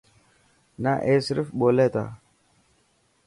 نه اي صرف ٻولي تا.